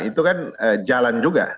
itu kan jalan juga